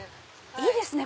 いいですね